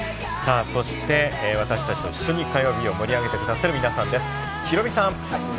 そして私達と一緒に火曜日を盛り上げて下さる皆さんです。